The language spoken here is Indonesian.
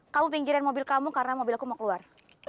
kamu pinggirin mobil kamu karena mobil aku mau keluar